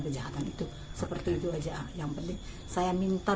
kejahatan itu seperti itu aja yang penting saya minta